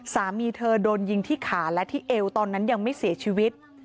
สามีเธอโดนยิงที่ขาและที่เอวตอนนั้นยังไม่เสียชีวิต